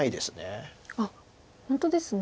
あっ本当ですね